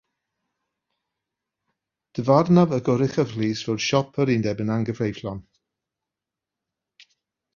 Dyfarnodd y Goruchaf Lys fod siop yr undeb yn anghyfreithlon.